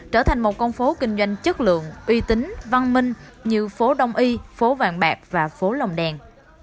trở thành một con phố kinh doanh chất lượng uy tín văn minh như phố đông y phố vàng bạc và phố lòng đèn